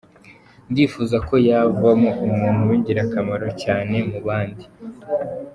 Ndifuza ko yazavamo umuntu w’ingirakamaro cyane mu bandi.